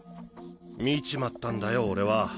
見ちまったんだよ俺は。